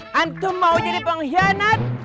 hantum mau jadi pengkhianat